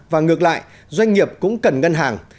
và ngược lại doanh nghiệp cũng cần ngân hàng